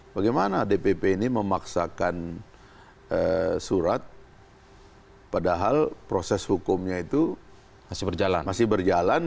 bagaimana dpp ini memaksakan surat padahal proses hukumnya itu masih berjalan